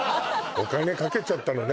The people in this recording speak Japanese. お金かけちゃったのね